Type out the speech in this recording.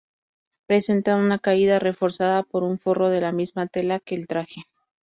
Presenta una caída reforzada por un forro de la misma tela que el traje.